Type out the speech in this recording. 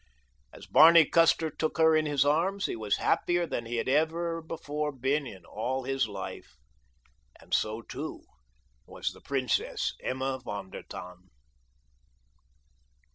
As Barney Custer took her in his arms he was happier than he had ever before been in all his life, and so, too, was the Princess Emma von der Tann.